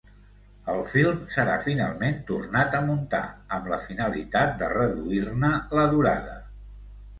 El film serà finalment tornat a muntar, amb la finalitat de reduir-ne la durada.